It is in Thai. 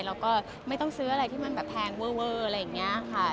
แล้วก็ไม่ต้องซื้ออะไรที่มันแบบแพงเวอร์อะไรอย่างนี้ค่ะ